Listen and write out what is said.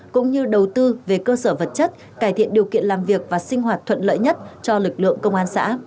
cũng như đầu tư về cơ sở vật chất cải thiện điều kiện làm việc và sinh hoạt thuận lợi nhất cho lực lượng công an xã